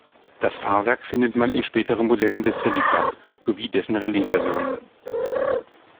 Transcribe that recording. Das Fahrwerk findet man in späteren Modellen des Celica, sowie dessen Rallye-Versionen.